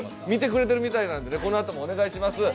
見てくれてるみたいなのでこのあともお願いします。